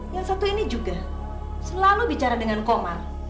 yang satu ini juga selalu bicara dengan komar